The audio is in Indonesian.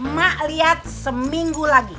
mak liat seminggu lagi